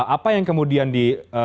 apa yang kemudian di